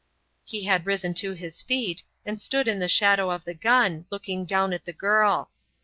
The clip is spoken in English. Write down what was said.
He had risen to his feet, and stood in the shadow of the gun, looking down at the girl.